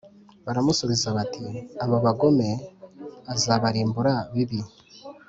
Baramusubiza bati “Abo bagome azabarimbura bibi